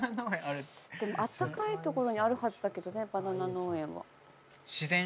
あるでも暖かい所にあるはずだけどねバナナ農園は自然？